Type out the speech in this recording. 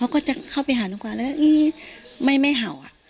เขาก็จะเข้าไปหาน้องกวาแล้วไม่เห่าอ่ะ